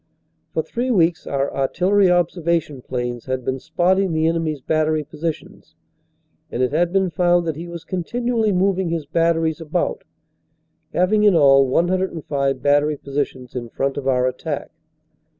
For three weeks our artillery observation planes had been spotting the enemy s battery positions, and it had been found that he was continually moving his batteries about, having in all 105 battery positions in front of our attack.